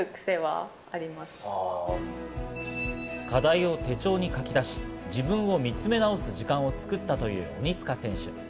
課題を手帳に書き出し、自分を見つめ直す時間を作ったという鬼塚選手。